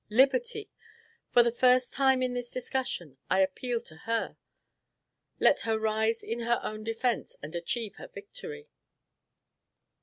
Liberty! for the first time in this discussion I appeal to her. Let her rise in her own defence, and achieve her victory.